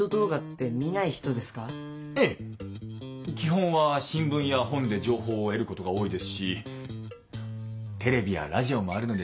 ええ基本は新聞や本で情報を得ることが多いですしテレビやラジオもあるので十分です。